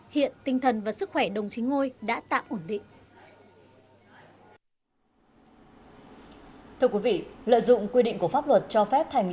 hiện tinh thần và sức khỏe đồng chí ngôi đã tạm ổn định